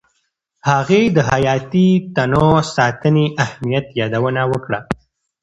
هغې د حیاتي تنوع ساتنې اهمیت یادونه وکړه.